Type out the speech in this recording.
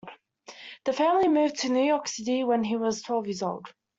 The family moved to New York City when he was twelve years old.